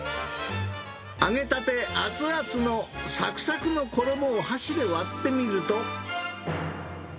揚げたて熱々のさくさくの衣を箸で割ってみると。